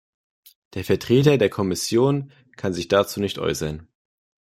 Der Vertreter der Kommission kann sich dazu nicht äußern.